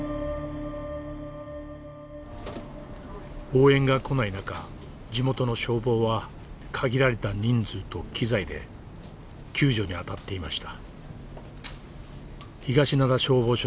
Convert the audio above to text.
応援が来ない中地元の消防は限られた人数と機材で救助に当たっていました。